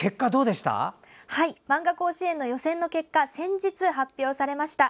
まんが甲子園の予選の結果先日発表されました。